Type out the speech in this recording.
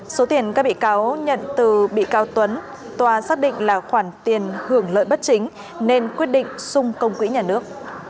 số tiền các bị cáo nhận từ bị cáo tuấn tòa xác định là khoản tiền hưởng lợi bất chính nên quyết định sung công quỹ nhà nước